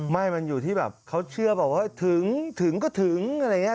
ไม่มันอยู่ที่แบบเขาเชื่อแบบว่าถึงถึงก็ถึงอะไรอย่างนี้